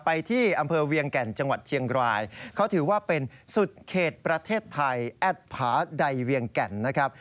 ที่อำเภอเวียงแก่นจังหวัดเชียงรายเขาถือว่าเป็นสุดเขตประเทศไทยแอดผาใดเวียงแก่นนะครับ